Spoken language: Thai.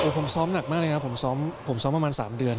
ผมซ้อมหนักมากเลยครับผมซ้อมประมาณ๓เดือน